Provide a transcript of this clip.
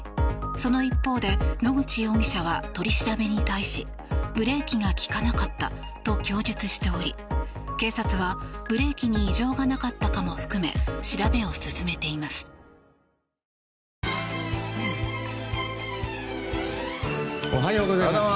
その一方で野口容疑者は取り調べに対しブレーキが利かなくなったと供述しており警察はブレーキに異常がなかったかも含め調べを進めています。